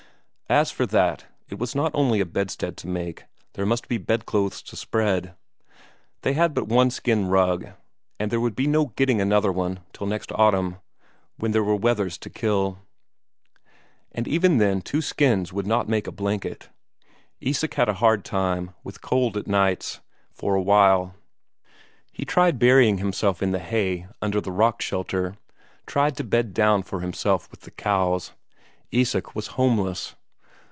As for that, it was not only a bedstead to make; there must be bedclothes to spread. They had but one skin rug, and there would be no getting another till next autumn, when there were wethers to kill and even then two skins would not make a blanket. Isak had a hard time, with cold at nights, for a while; he tried burying himself in the hay under the rock shelter, tried to bed down for himself with the cows. Isak was homeless.